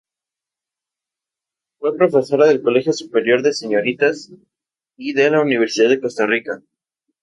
Fue profesora del Colegio Superior de Señoritas y de la Universidad de Costa Rica.